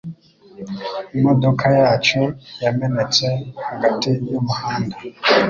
Imodoka yacu yamenetse hagati yumuhanda.